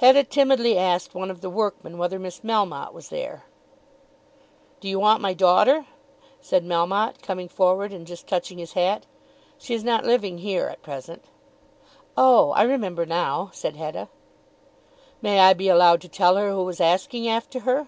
Hetta timidly asked one of the workmen whether Miss Melmotte was there. "Do you want my daughter?" said Melmotte coming forward, and just touching his hat. "She is not living here at present." "Oh, I remember now," said Hetta. "May I be allowed to tell her who was asking after her?"